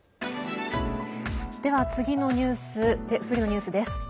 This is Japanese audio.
次のニュースです。